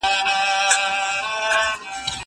زه اوږده وخت کښېناستل کوم!